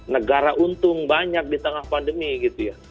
negara untung banyak di tengah pandemi gitu ya